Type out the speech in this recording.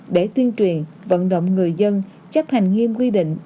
để tuyên truyền vận chuyển